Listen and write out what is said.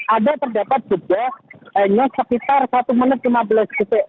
ada terdapat jeda hanya sekitar satu menit lima belas detik